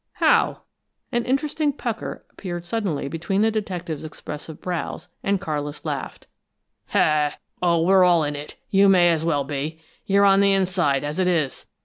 "How?" An interested pucker appeared suddenly between the detective's expressive brows, and Carlis laughed. "Oh, we're all in it you may as well be! You're on the inside, as it is!